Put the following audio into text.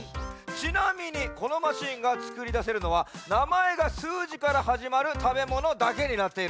ちなみにこのマシーンがつくりだせるのはなまえがすうじからはじまるたべものだけになっている。